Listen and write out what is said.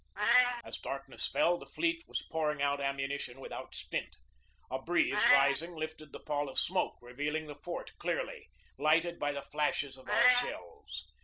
As darkness fell, the fleet was pouring out am munition without stint. A breeze rising lifted the pall of smoke, revealing the fort clearly, lighted by the flashes of our shells.